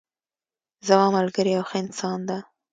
زما ملګری یو ښه انسان ده